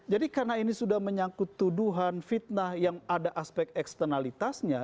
jadi karena ini sudah menyangkut tuduhan fitnah yang ada aspek eksternalitasnya